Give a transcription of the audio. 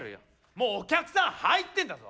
もうお客さん入ってんだぞ？